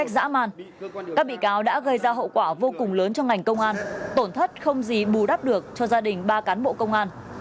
các bị cáo đã gây ra hậu quả vô cùng lớn cho ngành công an tổn thất không gì bù đắp được cho gia đình ba cán bộ công an